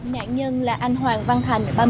nạn nhân là anh hoàng văn thành